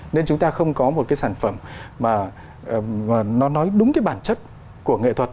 nên chúng ta không có một cái sản phẩm mà nó nói đúng cái bản chất của nghệ thuật